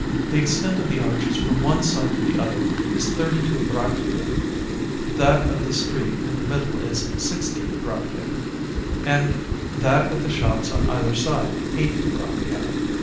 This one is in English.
The extent of the arches from one side to the other is thirty two braccia, that of the street in the middle is sixteen braccia, and that of the shops on either side eight braccia.